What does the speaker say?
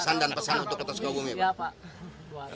kesan dan pesan untuk kota sukawumi pak